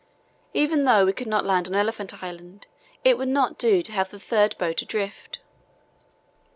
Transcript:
Even though we could not land on Elephant Island, it would not do to have the third boat adrift.